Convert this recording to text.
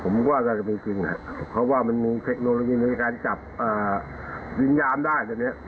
ผมว่าจะเป็นจริงเพราะว่ามันมีเทคโนโลยีในการจับดินยามได้